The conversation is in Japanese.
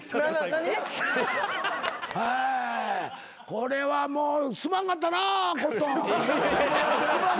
これはもうすまんかったなコットン。